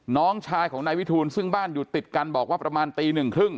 น้องชายของนายวิทูลซึ่งบ้านอยู่ติดกันบอกว่าประมาณตีหนึ่งครึ่ง